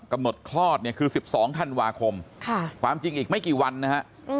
คลอดเนี่ยคือ๑๒ธันวาคมความจริงอีกไม่กี่วันนะฮะ